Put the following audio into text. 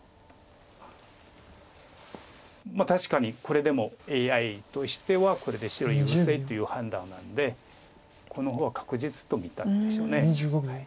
確かにこれでもＡＩとしてはこれで白優勢という判断なんでこの方が確実と見たんでしょう。